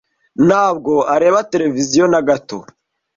Ntabwo areba televiziyo na gato.